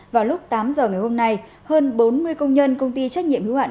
vào lúc tám giờ ngày hôm nay hơn bốn mươi công nhân công ty trách nhiệm hữu hạn